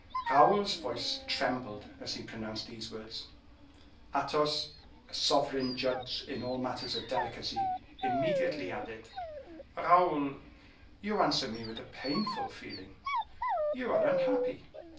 Raoul's voice trembled as he pronounced these words. Athos, a sovereign judge in all matters of delicacy, immediately added, "Raoul, you answer me with a painful feeling; you are unhappy."